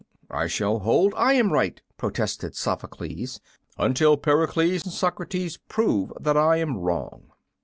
"I shall hold I am right," protested Sophocles, "until Pericles and Socrates prove that I am wrong."